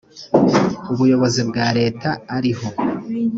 ubuyobozi bwa leta ariho